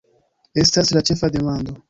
Estas la ĉefa demando!